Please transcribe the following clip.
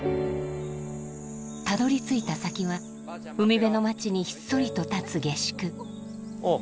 たどりついた先は海辺の街にひっそりと立つ下宿おう。